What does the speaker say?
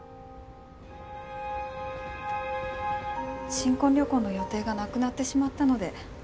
新婚旅行の予定がなくなってしまったので。